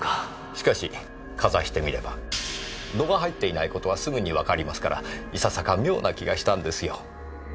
しかしかざしてみれば度が入っていない事はすぐにわかりますからいささか妙な気がしたんですよ。